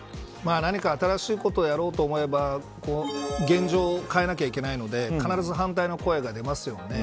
何か新しいことをやろうと思えば現状を変えなければいけないので必ず反対の声が出ますよね。